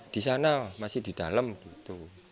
di sana masih di dalam gitu